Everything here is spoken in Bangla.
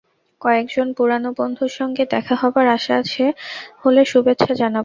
কয়েকজন পুরানো বন্ধুর সঙ্গে দেখা হবার আশা আছে, হলে শুভেচ্ছা জানাব।